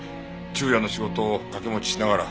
昼夜の仕事を掛け持ちしながら。